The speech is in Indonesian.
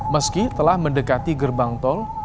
meski telah mendekati gerbang tol